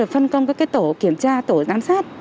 phân công các tổ kiểm tra tổ giám sát